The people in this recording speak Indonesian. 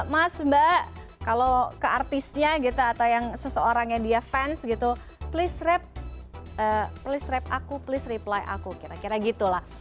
mas mbak kalau ke artisnya gitu atau yang seseorang yang dia fans gitu please please rap aku please reply aku kira kira gitu lah